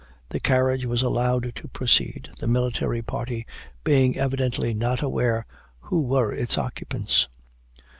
The carriage was allowed to proceed, the military party being evidently not aware who were its occupants.